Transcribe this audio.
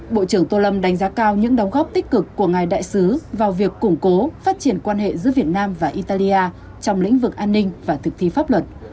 bộ trưởng tô lâm đánh giá cao những đóng góp tích cực của ngài đại sứ vào việc củng cố phát triển quan hệ giữa việt nam và italia trong lĩnh vực an ninh và thực thi pháp luật